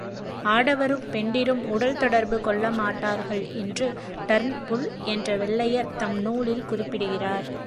ஆடவரும் பெண்டிரும் உடல் தொடர்பு கொள்ளமாட்டார்கள் என்று டர்ன்புல் என்ற வெள்ளையர் தம் நூலில் குறிப்பிடுகிறார்.